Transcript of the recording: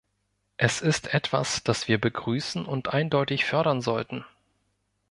Es ist etwas, dass wir begrüßen und eindeutig fördern sollten.